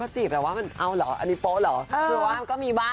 ใช่นะคะแต่ว่า